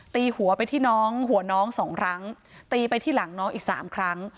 ตีหัวไปที่น้องหัวน้องสองครั้งตีไปที่หลังน้องอีกสามครั้ง